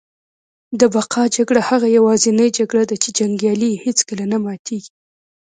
د بقا جګړه هغه یوازینۍ جګړه ده چي جنګیالي یې هیڅکله نه ماتیږي